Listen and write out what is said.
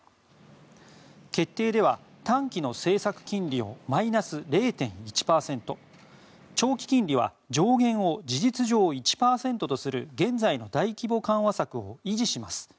決定では、短期の政策金利をマイナス０．１％長期金利は上限を事実上１％とする現在の大規模緩和策を維持します。